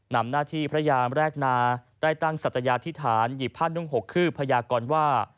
นำหน้าที่พระยามแรกนาได้ตั้งสัตยาธิษฐานหยิบผ้านุ่ง๖คืบพยากรว่า